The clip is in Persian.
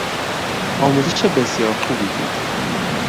آموزش بسیار خوبی دید.